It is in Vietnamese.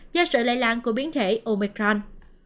do sự lây lan của biến thể omicron